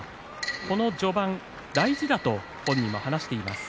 この序盤大事だと本人も話しています。